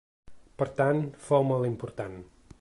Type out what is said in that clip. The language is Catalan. Per tant, fou molt important.